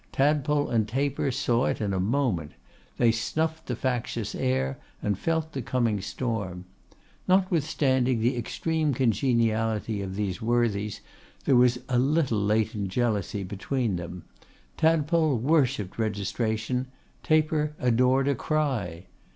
Tadpole and Taper saw it in a moment. They snuffed the factious air, and felt the coming storm. Notwithstanding the extreme congeniality of these worthies, there was a little latent jealousy between them. Tadpole worshipped Registration: Taper, adored a Cry.